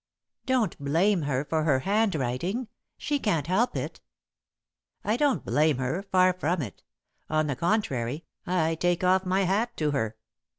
"Don't blame her for her handwriting she can't help it." "I don't blame her; far from it. On the contrary, I take off my hat to her.